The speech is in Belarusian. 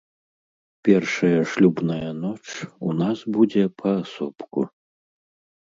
Першая шлюбная ноч у нас будзе паасобку.